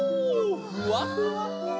ふわふわふわ。